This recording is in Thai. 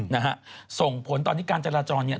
นะฮะส่งผลตอนนี้การจราจรเนี่ย